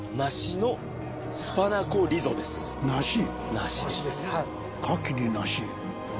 梨です